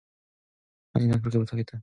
아니, 난 그렇게는 못 하겠다